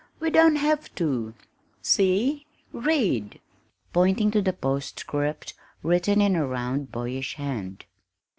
"We don't have to see read!" pointing to the postscript written in a round, boyish hand.